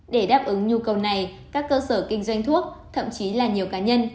để đáp ứng nhu cầu này các cơ sở kinh doanh thuốc thậm chí là nhiều cá nhân